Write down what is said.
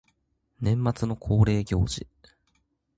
年末の恒例行事